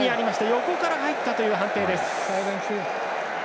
横から入ったという判定です。